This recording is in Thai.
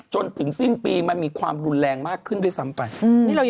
จนถึงสิ้นปีมันมีความรุนแรงมากขึ้นด้วยซ้ำไป